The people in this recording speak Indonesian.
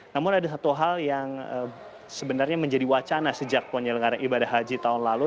namun ada satu hal yang sebenarnya menjadi wacana sejak penyelenggaraan ibadah haji tahun lalu